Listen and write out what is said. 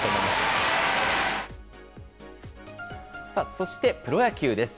そしてプロ野球です。